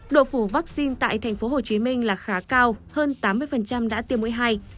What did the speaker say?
độ phủ vaccine tại tp hcm là khá cao hơn tám mươi đã tiêm mũi hai